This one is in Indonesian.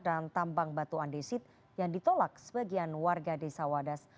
dan tambang batu andesit yang ditolak sebagian warga desa wadas